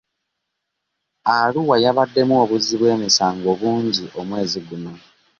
Arua yabaddemu obuzzi bw'emisango bungi omwezi guno.